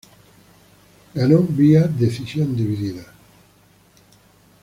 Ganó vía decisión dividida.